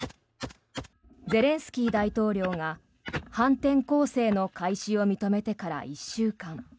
ゼレンスキー大統領が反転攻勢の開始を認めてから１週間。